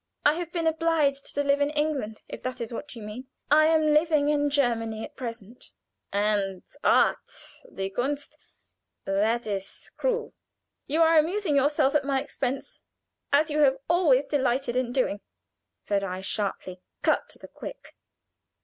"I have been obliged to live in England, if that is what you mean I am living in Germany at present." "And art die Kunst that is cruel!" "You are amusing yourself at my expense, as you have always delighted in doing," said I, sharply, cut to the quick.